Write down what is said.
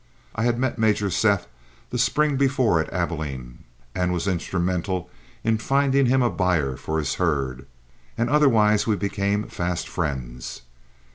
I had met Major Seth the spring before at Abilene, and was instrumental in finding him a buyer for his herd, and otherwise we became fast friends.